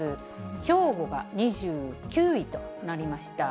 兵庫が２９位となりました。